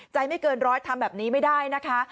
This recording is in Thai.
ไม่เกินร้อยทำแบบนี้ไม่ได้นะคะ